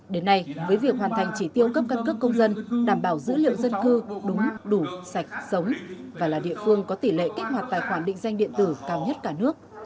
đến nay với việc hoàn thành chỉ tiêu cấp căn cước công dân đảm bảo dữ liệu dân cư đúng đủ sạch sống và là địa phương có tỷ lệ kích hoạt tài khoản định danh điện tử cao nhất cả nước